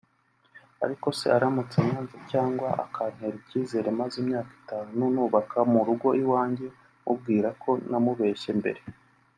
Ariko se aramutse anyanze cyangwa akantera icyizere maze imyaka itanu nubaka mu rugo iwanjye mubwiye ko namubeshye mbere